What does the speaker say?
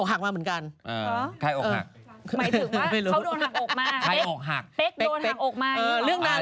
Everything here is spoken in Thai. หมายถึงว่าเขาได้ออกมา